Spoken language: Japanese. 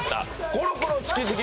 コロコロチキチキ